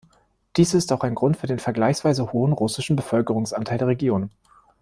Dies ist auch Grund für den vergleichsweise hohen russischen Bevölkerungsanteil der Region.